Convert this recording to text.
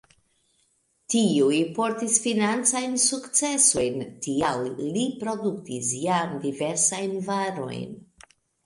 Tiuj portis financajn sukcesojn, tial li produktis jam diversajn varojn.